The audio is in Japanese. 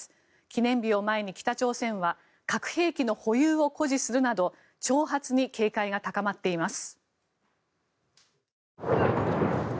記念日を前に、北朝鮮は核兵器の保有を誇示するなど挑発に警戒が高まっています。